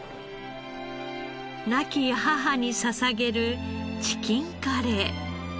亡き母に捧げるチキンカレー。